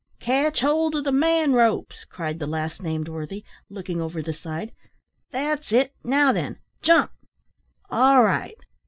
"Catch hold o' the man ropes," cried the last named worthy, looking over the side; "that's it; now then, jump! all right!